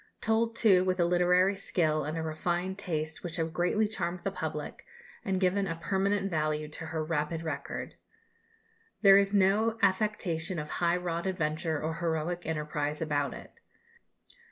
Told, too, with a literary skill and a refined taste which have greatly charmed the public, and given a permanent value to her rapid record. There is no affectation of high wrought adventure or heroic enterprise about it.